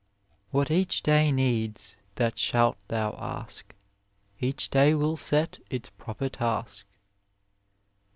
608254 What each day needs that shalt thou ask, Each day will set its proper task.